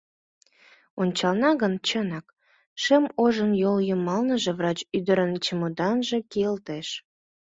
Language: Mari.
Ончална гын, чынак, шем ожын йол йымалныже врач ӱдырын чемоданже кийылтеш.